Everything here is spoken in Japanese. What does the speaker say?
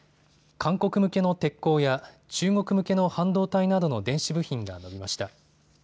韓国向けの鉄鋼や中国向けの半導体などの電子部品が伸びました。